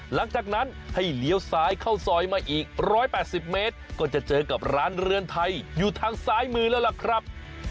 หลังจากนั้นให้เลี้ยวซ้ายเข้าซอยมาอีก๑๘๐เมตรก็จะเจอกับร้านเรือนไทยอยู่ทางซ้ายมือแล้วล่ะครับ